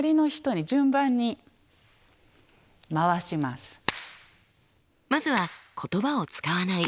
あのまずは言葉を使わない